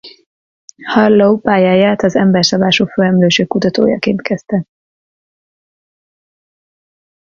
Harlow pályáját az emberszabású főemlősök kutatójaként kezdte.